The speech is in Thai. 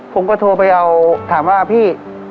ผมก็โทรไปเอาถามว่าพี่